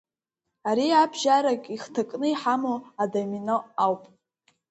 Ариабжьарак ихҭакны иҳамоу адомино ауп.